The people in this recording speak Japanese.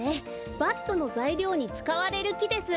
バットのざいりょうにつかわれるきです。